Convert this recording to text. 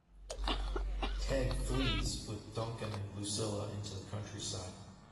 Teg flees with Duncan and Lucilla into the countryside.